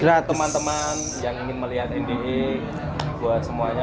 buat teman teman yang ingin melihat ndx buat semuanya